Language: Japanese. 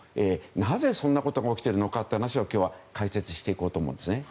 なぜそんなことが起きているのかという話を今日は解説していこうと思うんですね。